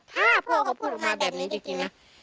ถ้าพ่อเขาพูดออกมาแบบนี้จริงนะ